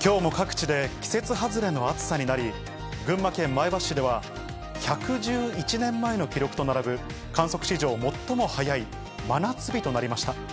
きょうも各地で季節外れの暑さになり、群馬県前橋市では、１１１年前の記録と並ぶ、観測史上最も早い真夏日となりました。